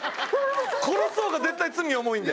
殺す方が絶対罪重いんで。